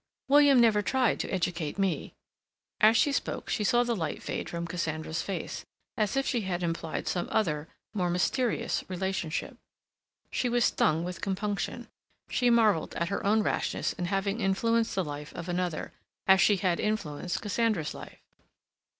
William never tried to educate me." As she spoke she saw the light fade from Cassandra's face, as if she had implied some other, more mysterious, relationship. She was stung with compunction. She marveled at her own rashness in having influenced the life of another, as she had influenced Cassandra's life.